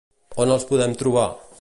On els podem trobar?